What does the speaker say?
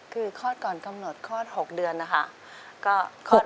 คือคลอดก่อนกำหนดคลอด๖เดือนนะคะ